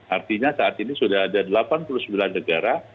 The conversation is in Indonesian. artinya saat ini sudah ada delapan puluh sembilan negara